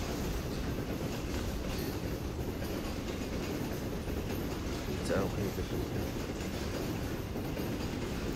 Hi cauk hi ka duh hih!